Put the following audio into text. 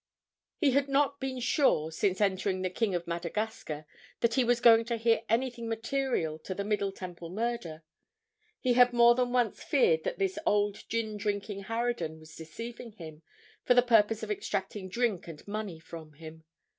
He had not been sure, since entering the "King of Madagascar," that he was going to hear anything material to the Middle Temple Murder; he had more than once feared that this old gin drinking harridan was deceiving him, for the purpose of extracting drink and money from him.